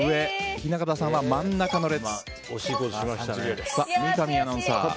雛形さんは真ん中の列。